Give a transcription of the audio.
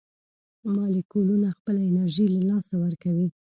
مالیکولونه خپله انرژي له لاسه ورکوي.